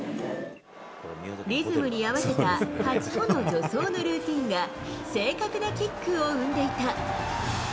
リズムに合わせた８歩の助走のルーティンが正確なキックを生んでいた。